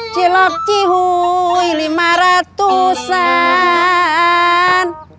jelok jihul lima ratusan